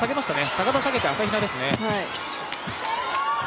高田を下げて朝比奈ですね。